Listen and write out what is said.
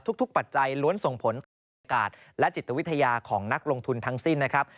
ทุกทุกปัจจัยล้วนส่งผลและจิตวิทยาของนักลงทุนทั้งสิ้นนะครับ